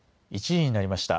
１時になりました。